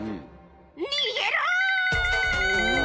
「逃げろ！」